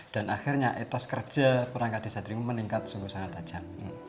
dan akhirnya etos kerja perangkat desa ndlingo meningkat sungguh sangat tajam